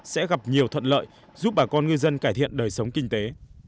sẽ gặp nhiều thuận lợi giúp bà con ngư dân cải thiện đời sống kinh tế